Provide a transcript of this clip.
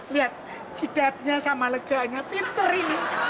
lihat jedanya sama leganya pinter ini